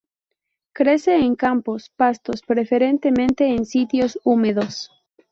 Crece en campos, pastos, preferentemente en sitios húmedos.